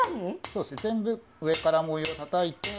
そうですね全部上から模様叩いて。